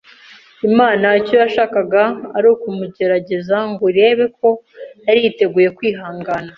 Imana icyo yashakaga ari ukumugerageza ngo irebe ko yari yiteguye kwihangana.